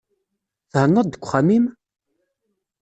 Thennaḍ deg uxxam-im?